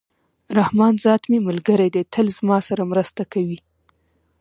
رحمان ذات مي ملګری دئ! تل زما سره مرسته کوي.